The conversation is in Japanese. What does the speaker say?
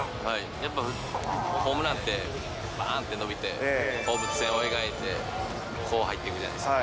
やっぱホームランって、ばーんって伸びて、放物線を描いて、こう入っていくじゃないですか。